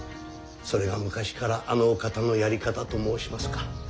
それが昔からあのお方のやり方と申しますか。